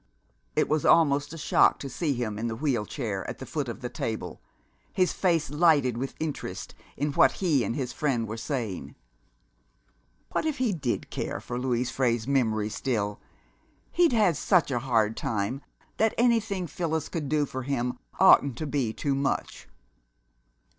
It was almost a shock to see him in the wheel chair at the foot of the table, his face lighted with interest in what he and his friend were saying. What if he did care for Louise Frey's memory still! He'd had such a hard time that anything Phyllis could do for him oughtn't to be too much!